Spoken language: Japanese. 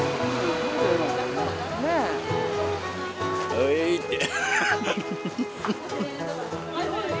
はいって。